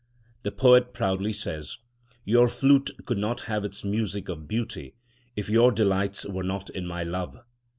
The poet proudly says: "Your flute could not have its music of beauty if your delight were not in my love.